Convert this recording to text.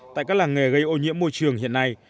tại các làng nghề gây ô nhiễm môi trường hiện nay